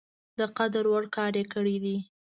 د قدر وړ کار یې کړی دی.